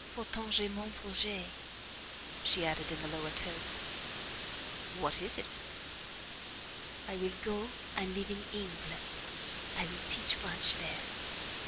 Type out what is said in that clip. Pourtant j'ai mon projet," she added in a lower tone. "What is it?" "I will go and live in England; I will teach French there."